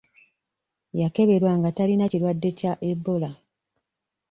Yakeberwa nga talina kirwadde kya Ebola.